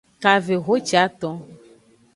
Kavehociaton.